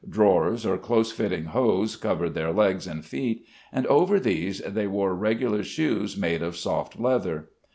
Drawers or close fitting hose covered their legs and feet, and over these they wore regular shoes made of soft leather.